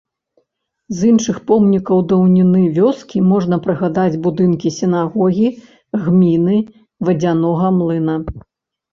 З іншых помнікаў даўніны вёскі можна прыгадаць будынкі сінагогі, гміны, вадзянога млына.